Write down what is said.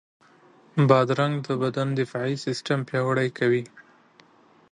بادرنګ د بدن دفاعي سیستم پیاوړی کوي.